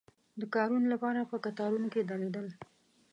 د کارونو لپاره په کتارونو کې درېدل.